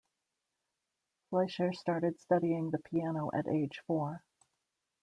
Fleisher started studying the piano at age four.